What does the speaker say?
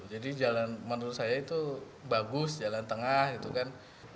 jadi jalan menurut saya itu bagus jalan tengah gitu kan